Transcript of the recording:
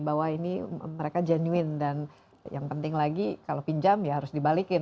bahwa ini mereka genuin dan yang penting lagi kalau pinjam ya harus dibalikin